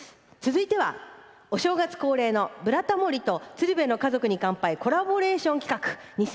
続いてはお正月恒例の「ブラタモリ」と「鶴瓶の家族に乾杯」のコラボレーション企画。